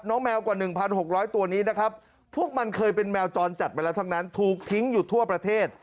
แมวกว่า๑๖๐๐ตัวนี้นะครับพวกมันเคยเป็นแมวจรจัดมาแล้วทั้งนั้นถูกทิ้งอยู่ทั่วประเทศ